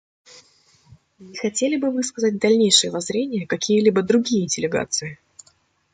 Не хотели ли бы высказать дальнейшие воззрения какие-либо другие делегации?